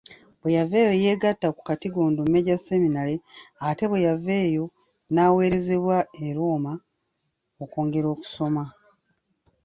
Bweyaveeyo yeegatta ku Katigondo Major Seminary ate bweyava eyo naweerezebwa e Roma okwongera okusoma.